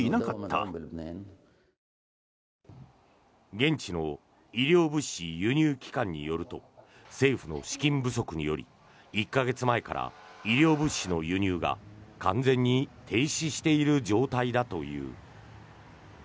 現地の医療物資輸入機関によると政府の資金不足により１か月前から医療物資の輸入が、完全に停止している状態だという。